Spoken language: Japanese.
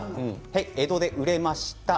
江戸で売れました。